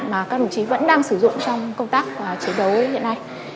mà các đồng chí vẫn đang sử dụng trong công tác chiến đấu hiện nay